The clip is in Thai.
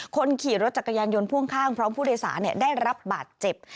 คนขี่รถจักรยานยนต์พ่วงข้างพร้อมผู้โดยสารได้รับบาดเจ็บ